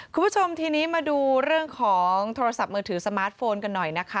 คุณผู้ชมทีนี้มาดูเรื่องของโทรศัพท์มือถือสมาร์ทโฟนกันหน่อยนะคะ